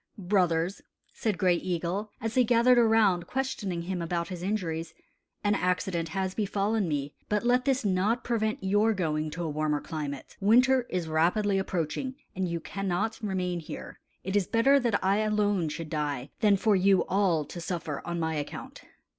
"Brothers," said Gray Eagle, as they gathered around, questioning him about his injuries, "an accident has befallen me, but let not this prevent your going to a warmer climate. Winter is rapidly approaching, and you cannot remain here. It is better that I alone should die, than for you all to suffer on my account."